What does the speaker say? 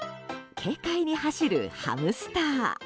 軽快に走るハムスター。